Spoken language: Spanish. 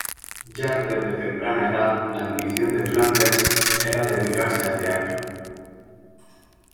Ya desde temprana edad la ambición de Flanders era dedicarse al teatro.